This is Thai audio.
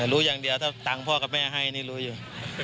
รู้อย่างเดียวถ้าตังค์พ่อกับแม่ให้นี่รู้อยู่